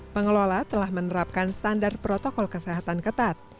pengelola telah menerapkan standar protokol kesehatan ketat